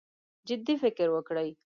جدي فکر وکړي.